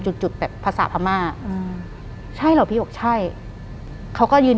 หลังจากนั้นเราไม่ได้คุยกันนะคะเดินเข้าบ้านอืม